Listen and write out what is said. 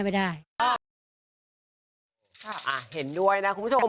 เห็นด้วยนะคุณผู้ชม